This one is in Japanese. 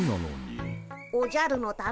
おじゃるのためだよ。